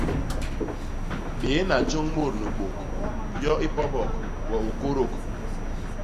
Bééna joñ mut ni bôk, yo i pobok, we u kôdôk.